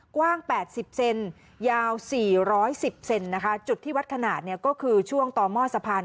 กว้างแปดสิบเซนยาวสี่ร้อยสิบเซนนะคะจุดที่วัดขนาดเนี่ยก็คือช่วงตอม่อสะพาน